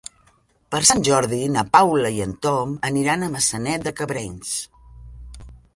Per Sant Jordi na Paula i en Tom aniran a Maçanet de Cabrenys.